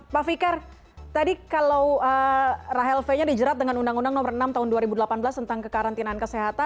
pak fikar tadi kalau rahel fenya dijerat dengan undang undang nomor enam tahun dua ribu delapan belas tentang kekarantinaan kesehatan